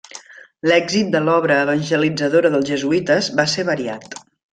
L'èxit de l'obra evangelitzadora dels jesuïtes va ser variat.